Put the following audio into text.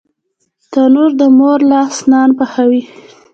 تنور د مور لاس نان پخوي